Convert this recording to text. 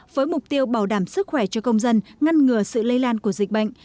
với mục tiêu bảo đảm sức khỏe cho công dân ngăn ngừa sự lây lan của dịch bệnh